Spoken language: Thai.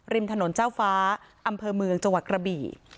ริมถนนเจ้าฟ้าอำเภอเมืองจังหวัดกระบี่